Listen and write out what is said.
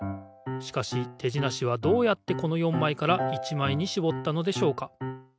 しかし手じなしはどうやってこの４枚から１枚にしぼったのでしょうか？